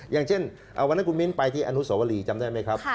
อย่างเช่นวันนั้นคุณมิ้นไปที่อนุสวรีจำได้ไหมครับ